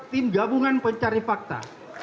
tim gabungan pencari fakta